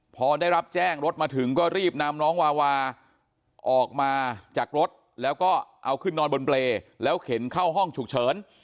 พอได้รับแจ้งรถมาถึงก็รีบนำน้องวาวาออกมาจากรถแล้วก็เอาขึ้นนอนบนเปรย์แล้วเข็นเข้าห้องฉุกเฉิน